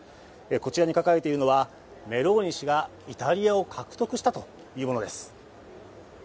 こちらに書かれているのは、「メローニ氏がイタリアを獲得した」というものです。